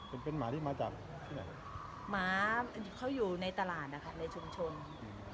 เป็นเป็นหมาที่มาจากที่ไหนหมาเขาอยู่ในตลาดนะคะในชุมชนอืม